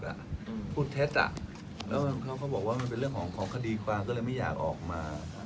ที่พูดทัศน์อ่ะแล้วคือเรียนก็บอกว่ามันเหลือของของคดีความก็เลยมันอยากออกมา